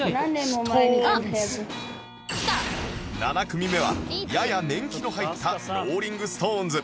７組目はやや年季の入ったローリング・ストーンズ